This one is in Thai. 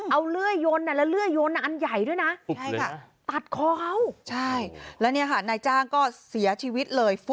เอาเลื่อยยนแล้วเลื่อยยนอันใหญ่ด้วยนะตัดคอเขาใช่แล้วเนี่ยค่ะนายจ้างก็เสียชีวิตเลย